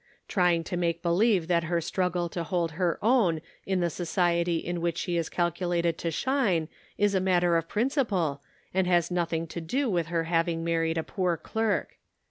trying to make be lieve that her struggle to hold her own in the society in which she is calculated to shine is a matter of principle, and has nothing to do with her having married a poor clerk.